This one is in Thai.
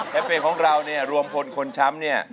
แคมเปญของเรานี่รวมผลคนช้ำเนี่ย